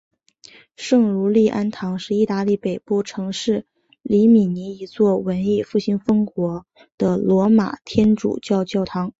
圣儒利安堂是意大利北部城市里米尼一座文艺复兴风格的罗马天主教教堂。